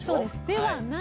ではない。